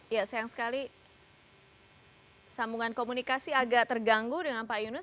ya sayang sekali sambungan komunikasi agak terganggu dengan pak yunus